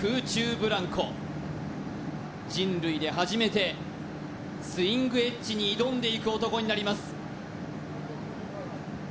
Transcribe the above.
ブランコ人類で初めてスイングエッジに挑んでいく男になります